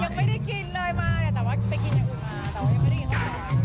ยังไม่ได้กินเลยมาเนี่ยแต่ว่าไปกินอย่างอื่นมาแต่ว่ายังไม่ได้กินข้าว